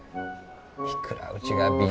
いくらうちが貧。